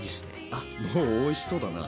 あっもうおいしそうだな。